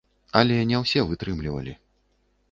Але не ўсе вытрымлівалі.